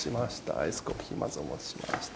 アイスコーヒーまずはお持ちしました。